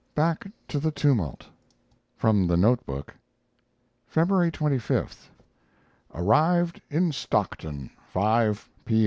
L. BACK TO THE TUMULT FROM the note book: February 25. Arrived in Stockton 5 p.